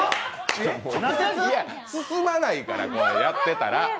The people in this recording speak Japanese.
進まないからやってたら。